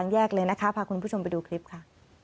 แยกเลยนะคะพาคุณผู้ชมไปดูคลิปค่ะ